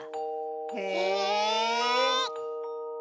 へえ。